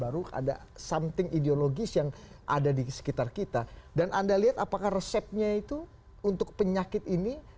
resepnya itu untuk penyakit ini